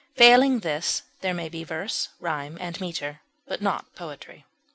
Failing this, there may be verse, rime, and meter, but not poetry.